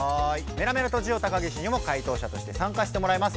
メラメラとジオ高岸にもかい答しゃとしてさんかしてもらいます。